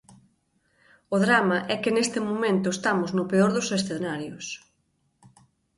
O drama é que neste momento estamos no peor dos escenarios.